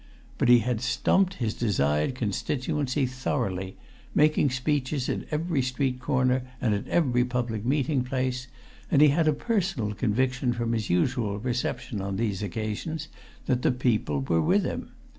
But he had stumped his desired constituency thoroughly, making speeches at every street corner and at every public meeting place, and he had a personal conviction from his usual reception on these occasions that the people were with him.